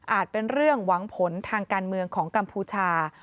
เป็นเรื่องหวังผลทางการเมืองของกัมพูชา